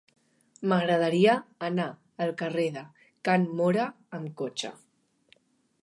M'agradaria anar al carrer de Can Móra amb cotxe.